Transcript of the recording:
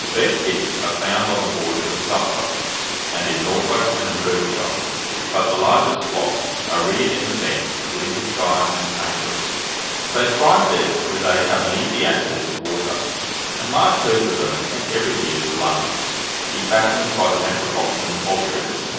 The best geese are found on the borders of Suffolk, and in Norfolk and Berkshire; but the largest flocks are reared in the fens of Lincolnshire and Cambridge. They thrive best where they have an easy access to water, and large herds of them are sent every year to London, to be fattened by the metropolitan poulterers.